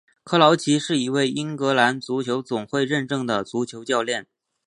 克劳奇是一位英格兰足球总会认证的足球教练。